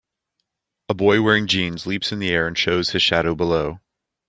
A boy wearing jeans leaps in the air and shows his shadow below.